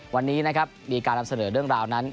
วันนี้นะครับมีการนำเสนอเรื่องราวนั้น